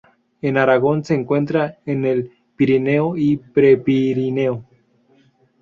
En Aragón se encuentra en el Pirineo y Prepirineo.